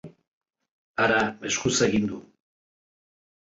Hara, eskuz egin du!